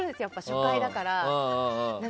初回だから。